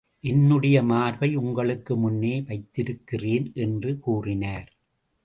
என்னுடைய மார்பை உங்களுக்கு முன்னே வைத்திருக்கிறேன் என்று கூறினார்.